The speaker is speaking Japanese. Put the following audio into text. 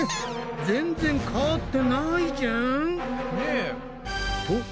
全然変わってないじゃん！ね。